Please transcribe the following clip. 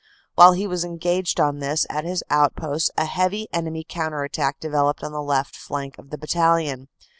While he was engaged on this at his outposts a heavy enemy counter attack developed on the left flank of the Bat talion.